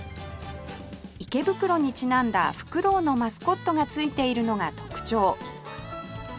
池袋にちなんだフクロウのマスコットが付いているのが特徴